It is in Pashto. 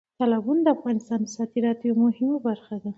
تالابونه د افغانستان د صادراتو یوه مهمه برخه ده.